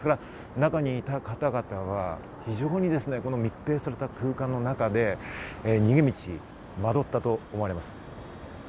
中にいた方々は非常に密閉された空間の中で逃げ道に迷ったと思われます。